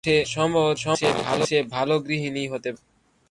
সম্ভবত সে ভাল গৃহিণীই হতে পারবে।